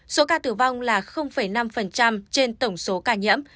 số ca tử vong là năm trên tổng số ca nhiễm